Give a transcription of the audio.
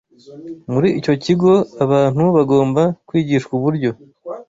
Muri icyo kigo, abantu bagomba kwigishwa uburyo